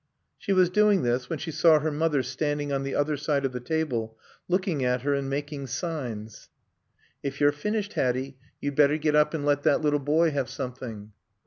She was doing this when she saw her mother standing on the other side of the table, looking at her and making signs. "If you've finished, Hatty, you'd better get up and let that little boy have something."